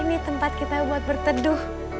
ini tempat kita buat berteduh